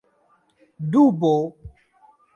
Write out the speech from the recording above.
dubo